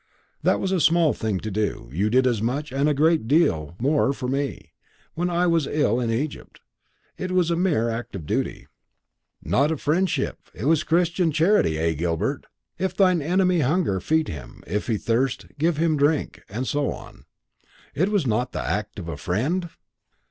"That was a small thing to do You did as much, and a great deal more, for me, when I was ill in Egypt. It was a mere act of duty." "Not of friendship. It was Christian charity, eh, Gilbert? If thine enemy hunger, feed him; if he thirst, give him drink; and so on. It was not the act of a friend?"